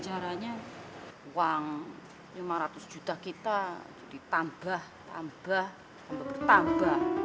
uang lima ratus juta kita ditambah tambah tambah bertambah